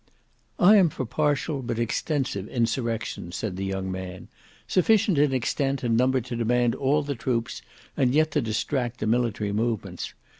"I am for partial but extensive insurrections," said the young man. "Sufficient in extent and number to demand all the troops and yet to distract the military movements.